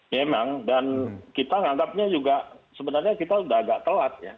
memang dan kita menganggapnya juga sebenarnya kita sudah agak telat ya